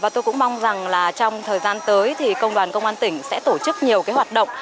tôi cũng mong rằng trong thời gian tới công đoàn công an tỉnh sẽ tổ chức nhiều hoạt động